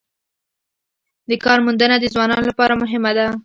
د کار موندنه د ځوانانو لپاره مهمه ده